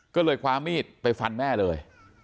ก็เลยคว้ามีดไปฟันแม่เลย